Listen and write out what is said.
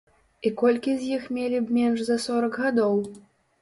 І колькі з іх мелі б менш за сорак гадоў?